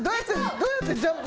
どうやってジャンプ。